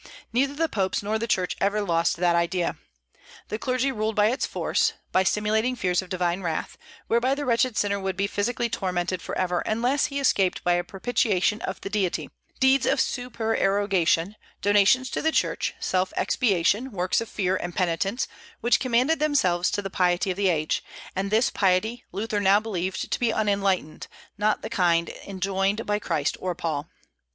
Neither the popes nor the Church ever lost that idea. The clergy ruled by its force, by stimulating fears of divine wrath, whereby the wretched sinner would be physically tormented forever, unless he escaped by a propitiation of the Deity, the common form of which was penance, deeds of supererogation, donations to the Church, self expiation, works of fear and penitence, which commended themselves to the piety of the age; and this piety Luther now believed to be unenlightened, not the kind enjoined by Christ or Paul.